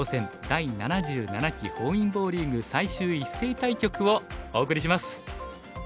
第７７期本因坊リーグ最終一斉対局」をお送りします。